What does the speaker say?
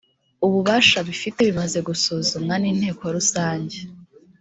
ububasha bifite bimaze gusuzumwa ninteko rusange